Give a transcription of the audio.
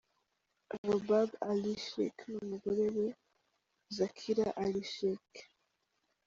Roobab Ali Sheikh n’umugore we zakira ali sheik .